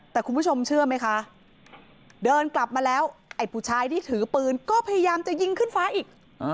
แต่คุณผู้ชมเชื่อไหมคะเดินกลับมาแล้วไอ้ผู้ชายที่ถือปืนก็พยายามจะยิงขึ้นฟ้าอีก